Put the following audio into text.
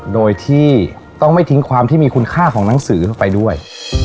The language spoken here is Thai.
โดยที่ต้องไม่ทิ้งความที่มีคุณค่าของหนังสือเข้าไปด้วย